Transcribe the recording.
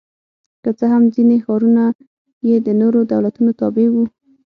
که څه هم ځیني ښارونه یې د نورو دولتونو تابع وو